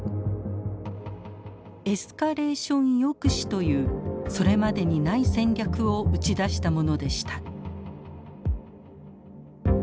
「エスカレーション抑止」というそれまでにない戦略を打ち出したものでした。